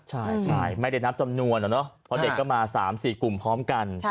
ใช่ไม่ได้นับจำนวนอะเนาะเพราะเด็กก็มา๓๔กลุ่มพร้อมกัน